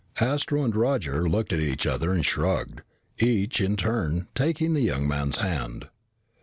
Astro and Roger looked at each other and shrugged, each in turn, taking the young man's hand.